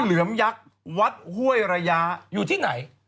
เหลือมยักษ์วัดห้วยระยะอยู่ที่ไหน